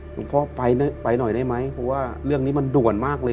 หลวงพ่อไปหน่อยได้ไหมเพราะว่าเรื่องนี้มันด่วนมากเลย